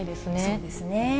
そうですね。